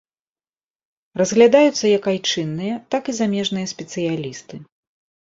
Разглядаюцца як айчынныя, так і замежныя спецыялісты.